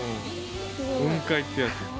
雲海ってやつ。